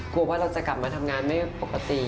กลัวว่าเราจะกลับมาทำงานไม่ปกติ